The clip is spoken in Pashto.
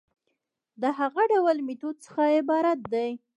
د هغه ډول ميتود څخه عبارت دي